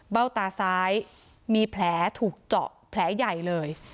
ตาซ้ายมีแผลถูกเจาะแผลใหญ่เลย